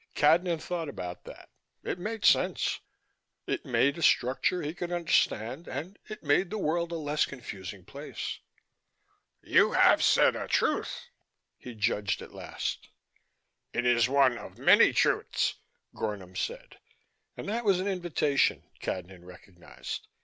Cadnan thought about that. It made sense: it made a structure he could understand, and it made the world a less confusing place. "You have said a truth," he judged at last. "It is one of many truths," Gornom said. And that was an invitation, Cadnan recognized.